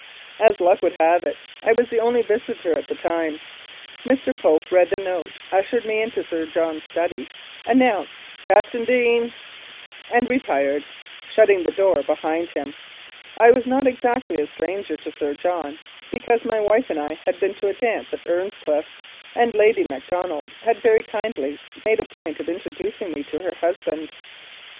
As luck would have it, I was the only visitor at the time. Mr. Pope read the note, ushered me into Sir John's study, announced "Captain Deane," and retired, shutting the door behind him. I was not exactly a stranger to Sir John, because my wife and I had been to a dance at Earnscliffe, and Lady Mac donald had very kindly made a point of introducing me to her husband.